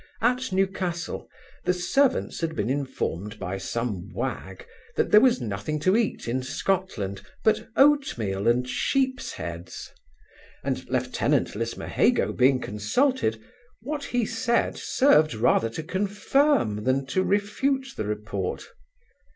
At Newcastle, the servants had been informed by some wag, that there was nothing to eat in Scotland, but oat meal and sheep's heads; and lieutenant Lismahago being consulted, what he said served rather to confirm than to refute the report.